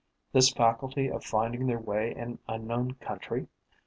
this faculty of finding their way in unknown country?